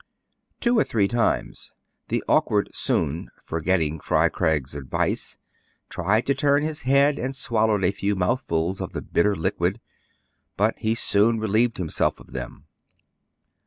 Two or three times the awkward Soun, forget ting Fry Craig's advice, tried to turn his head, and swallowed a few mouthfuls of the bitter liquid ; but he soon relieved himself of them.